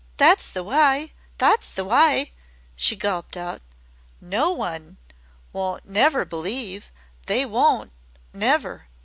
"That's the wye! That's the wye!" she gulped out. "No one won't never believe they won't, NEVER.